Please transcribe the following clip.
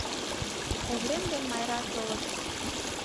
Оврем ден Майра толыт.